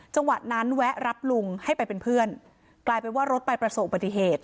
จังหวะนั้นแวะรับลุงให้ไปเป็นเพื่อนกลายเป็นว่ารถไปประสบปฏิเหตุ